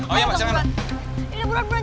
oh iya mbak jangan